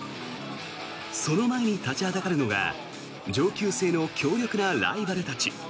その前に立ちはだかるのが上級生の強力なライバルたち。